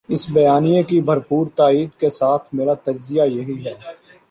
اس بیانیے کی بھرپور تائید کے ساتھ میرا تجزیہ یہی ہے